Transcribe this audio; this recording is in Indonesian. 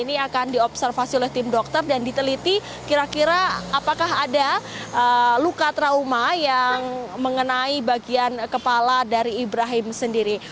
ini akan diobservasi oleh tim dokter dan diteliti kira kira apakah ada luka trauma yang mengenai bagian kepala dari ibrahim sendiri